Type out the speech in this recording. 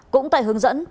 cũng tại hướng dẫn